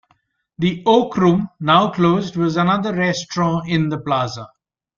The Oak Room, now closed, was another restaurant in the Plaza.